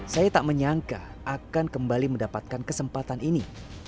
saya tak menyangka akan kembali mendapatkan kesempatan ini